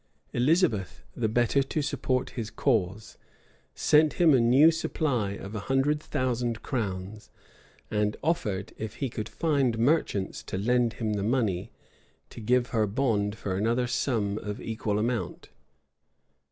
Elizabeth, the better to support his cause, sent him a new supply of a hundred thousand crowns; and offered, if he could find merchants to lend him the money, to give her bond for another sum of equal amount.